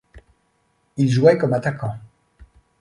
Il jouait comme attaquant.